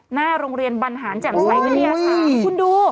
หน้าโรงเรียนบรรหารแจ่งไซด์วิทยาศาสตร์